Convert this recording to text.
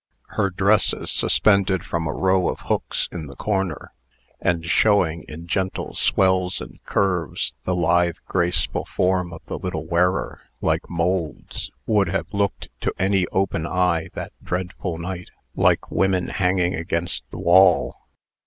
Her dresses, suspended from a row of hooks in the corner and showing, in gentle swells and curves, the lithe, graceful form of the little wearer, like moulds, would have looked to any open eye, that dreadful night, like women hanging against the wall.